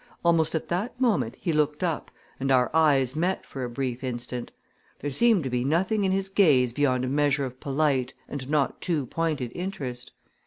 Almost at that moment he looked up and our eyes met for a brief instant. There seemed to be nothing in his gaze beyond a measure of polite and not too pointed interest.